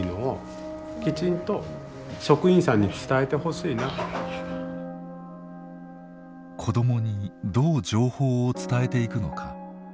ちゃんとね子どもにどう情報を伝えていくのか。